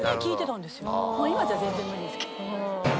今じゃ全然無理ですけど。